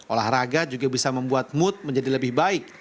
olahraga juga bisa membuat mood menjadi lebih baik